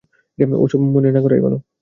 ওসব মনে না করাই ভালো।